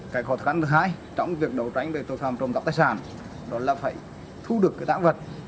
cái khó khăn thứ hai trong việc đổ tránh tội phạm trụng cấp tài sản đó là phải thu được cái tãng vật